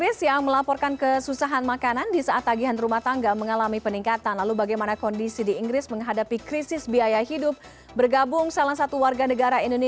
selamat malam dita selamat siang waktu london